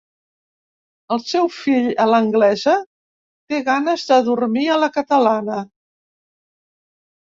El seu fill a l'anglesa té ganes de dormir a la catalana.